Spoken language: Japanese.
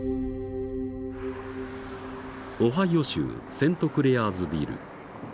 オハイオ州セントクレアーズビル。